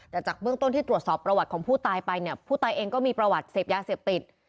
แต่จากเบื้องต้นที่ตรวจสอบประวัติของผู้ตายไปเนี่ยผู้ตายเองก็มีประวัติเสพยาเสพติด